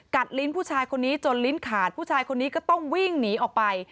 ลิ้นผู้ชายคนนี้จนลิ้นขาดผู้ชายคนนี้ก็ต้องวิ่งหนีออกไป